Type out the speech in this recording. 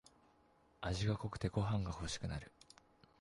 味が濃くてご飯がほしくなる